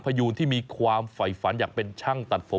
พยูนที่มีความไฝฝันอยากเป็นช่างตัดผม